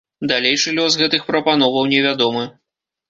Далейшы лёс гэтых прапановаў невядомы.